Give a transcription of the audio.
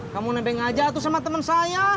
kamu nebeng aja tuh sama teman saya